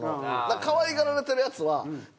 可愛がられてるヤツは結構。